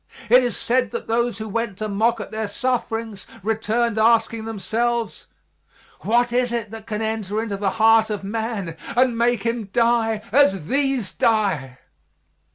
It is said that those who went to mock at their sufferings returned asking themselves, "What is it that can enter into the heart of man and make him die as these die?"